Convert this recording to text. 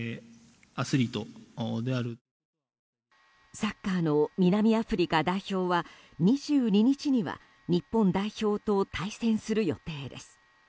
サッカーの南アフリカ代表は２２日には日本代表と対戦する予定です。